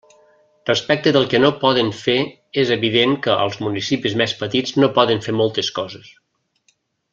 Respecte del que no poden fer, és evident que els municipis més petits no poden fer moltes coses.